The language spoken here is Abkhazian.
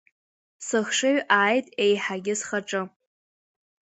Сыхшыҩ ааит еиҳагьы схаҿы.